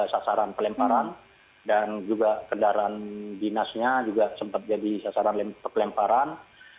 sasaran pelemparan dan juga kendaraan dinasnya juga sempat jadi sasaran pelemparan